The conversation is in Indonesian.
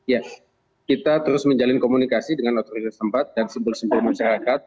ya kita terus menjalin komunikasi dengan otoritas tempat dan simpul simpul masyarakat